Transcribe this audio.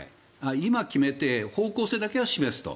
今、決めて方向だけは示すと。